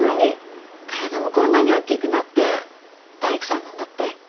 体もこんなにおっきくなって大工さんなんだって？